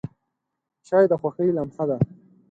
چای د خوښۍ لمحه ده.